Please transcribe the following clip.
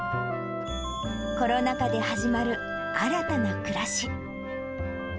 コロナ禍で始まる新たな暮らし。